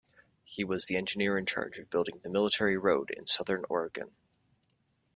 He was the engineer in charge of building the military road in southern Oregon.